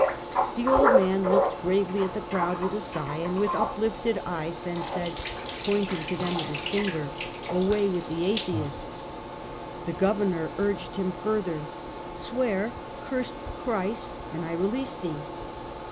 The old man looked gravely at the crowd with a sigh and with uplifted eyes, then said, pointing to them with his finger, 'Away with the Atheists!' The governor urged him further. ' Swear ; curse Christ and I release thee.